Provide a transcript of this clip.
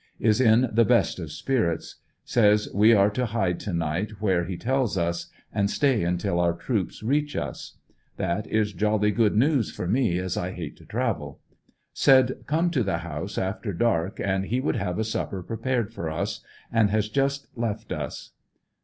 Is in the best of spirits. Says we are to hide to night where 148 FINAL ESCAPE. he tells us, and stay until our troops reach us. That is jolly good news for me, as I hate to travel. Said come to the house after dark and he wovld have a supper prepared for us, and has just left us.